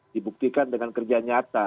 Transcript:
dibuktikan dengan kerja nyata